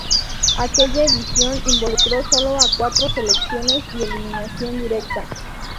Aquella edición involucró solo a cuatro selecciones y eliminación directa.